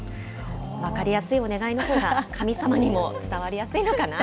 分かりやすいお願いのほうが、神様にも伝わりやすいのかな。